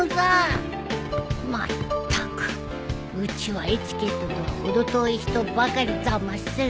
まったくうちはエチケットとは程遠い人ばかりざます。